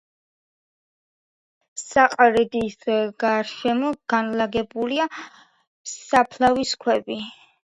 საყდრის გარშემო განლაგებულია საფლავის ქვები.